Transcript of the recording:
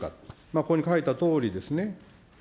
ここ書いたとおりですね。